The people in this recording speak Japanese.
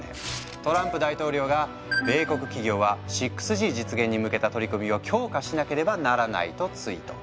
トランプ大統領が「米国企業は６Ｇ実現に向けた取り組みを強化しなければならない」とツイート。